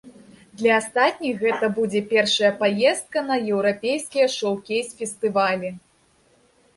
Для астатніх гэта будзе першая паездка на еўрапейскія шоўкейс-фестывалі.